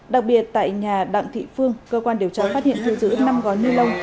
đặc biệt tại nhà đặng thị phương cơ quan điều tra phát hiện thu giữ năm gói ni lông